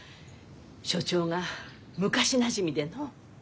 署長が昔なじみでのう。